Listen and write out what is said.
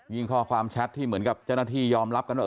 ข้อความแชทที่เหมือนกับเจ้าหน้าที่ยอมรับกันว่า